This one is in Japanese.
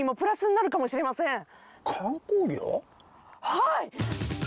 はい！